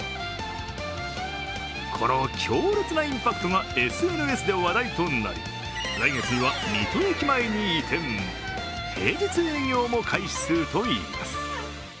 この強烈なインパクトがＳＮＳで話題となり来月には水戸駅前に移転、平日営業も開始するといいます。